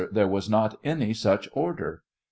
There was not any such order. Q.